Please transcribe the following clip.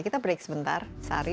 kita break sebentar sari